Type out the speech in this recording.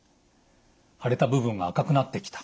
腫れた部分が赤くなってきた。